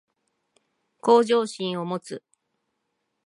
向上心を持つ